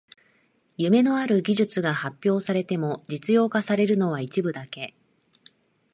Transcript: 夢のある技術が発表されても実用化されるのは一部だけ